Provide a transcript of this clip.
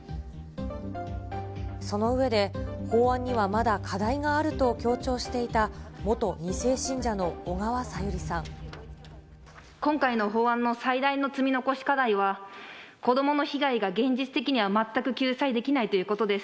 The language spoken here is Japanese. その上で、法案にはまだ課題があると強調していた、今回の法案の最大の積み残し課題は、子どもの被害が現実的には全く救済できないということです。